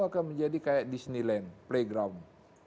akan menjadi kayak disneyland playground